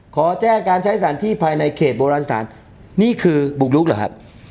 ขอแจ้งการใช้สถานที่ภายในเขตโบราณสถานนี่คือบุกลุกเหรอครับ